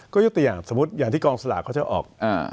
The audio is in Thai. ก็ยกตัวอย่างสมมุติอย่างที่กองสลากเขาจะออก